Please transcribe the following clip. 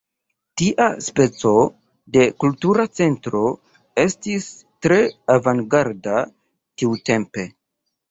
Tia speco de kultura centro estis tre avangarda tiutempe.